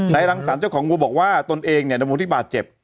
นายหลังศาลเจ้าของวัวบอกว่าตนเองเนี่ยดำมุทธิบาทเจ็บ